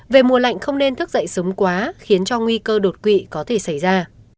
về mùa lạnh không nên thức dậy sớm quá khiến cho nguy cơ đột quỵ có thể xảy ra